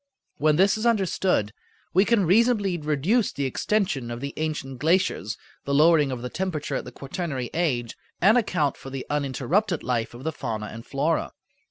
When this is understood we can reasonably reduce the extension of the ancient glaciers, the lowering of the temperature at the quaternary age, and account for the uninterrupted life of the fauna and flora.